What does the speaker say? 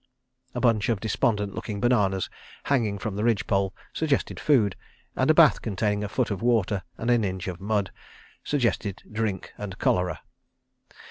A bunch of despondent looking bananas hanging from the ridge pole suggested food, and a bath containing a foot of water and an inch of mud suggested drink and cholera.